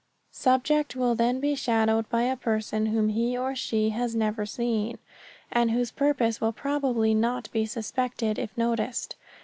Subject will then be shadowed by a person whom he or she has never seen, and whose purpose will probably not be suspected if noticed.